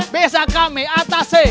bisa kami atasi